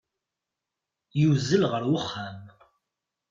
Yuzzel ɣer uxxam.